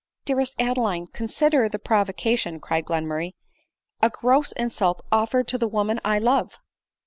"Dearest Adeline, consider the provocation," cried Glenmurray; "a, gross insult offered to the woman I love